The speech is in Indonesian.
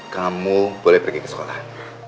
kamu boleh pergi ke sekolah